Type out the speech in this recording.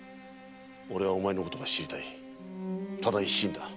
俺はお前のことが知りたいただ一心だ。